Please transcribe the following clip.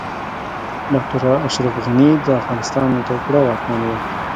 ډاکټر اشرف غني د افغانستان يو تکړه واکمن و